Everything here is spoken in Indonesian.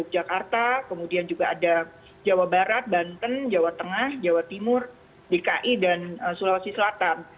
jawa barat jawa tengah jawa timur dki dan sulawesi selatan